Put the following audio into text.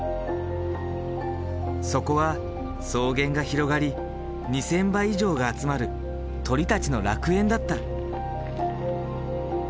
そこは草原が広がり２，０００羽以上が集まる鳥たちの楽園だった。